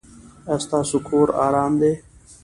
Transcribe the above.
ایا ستاسو کور ارام دی؟